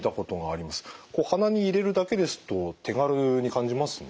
こう鼻に入れるだけですと手軽に感じますよね。